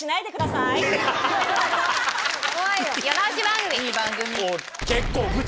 いい番組。